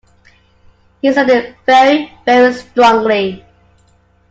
He said it very, very strongly.